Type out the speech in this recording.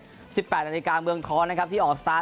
๑๘นาฬิกาเมืองท้อนนะครับที่ออกสตาร์ท